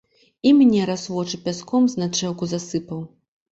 І мне раз вочы пяском знячэўку засыпаў.